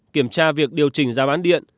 kiểm tra việc điều chỉnh giá bán điện